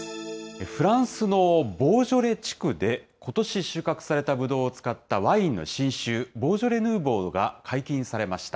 フランスのボージョレ地区で、ことし収穫されたぶどうを使ったワインの新酒、ボージョレ・ヌーボーが解禁されました。